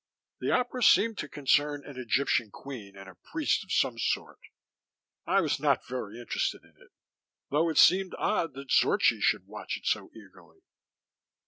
The opera seemed to concern an Egyptian queen and a priest of some sort; I was not very interested in it, though it seemed odd that Zorchi should watch it so eagerly.